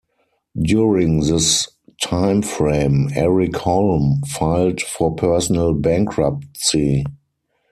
During this time frame, Eric Holm filed for personal bankruptcy.